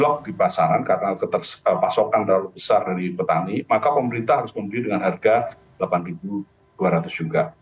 blok di pasaran karena pasokan terlalu besar dari petani maka pemerintah harus membeli dengan harga rp delapan dua ratus juga